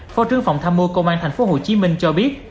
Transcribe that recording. phó trưởng phòng tham mưu công an tp hcm cho biết